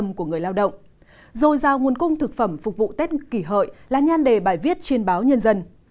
dồi dào nguồn cung thực phẩm phục vụ tết kỷ hợi là nhan đề bài viết trên báo nhân dân